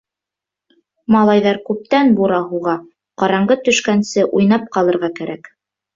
Малайҙар күптән бура һуға, ҡараңғы төшкәнсе уйнап ҡалырға кәрәк.